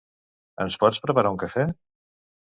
Ens pots preparar un cafè?